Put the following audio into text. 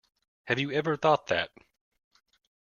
Have you ever thought that?